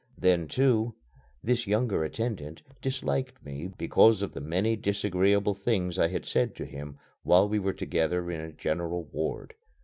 Then, too, this younger attendant disliked me because of the many disagreeable things I had said to him while we were together in a general ward.